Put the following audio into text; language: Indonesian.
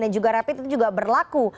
dan juga rapid itu juga berlaku